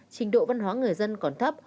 trình độ văn hóa người dân còn thấp